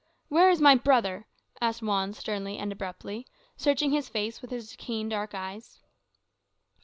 "Where is my brother?" asked Juan sternly and abruptly, searching his face with his keen dark eyes.